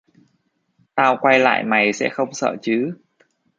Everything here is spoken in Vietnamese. Tao quay lại mày sẽ không sợ chứ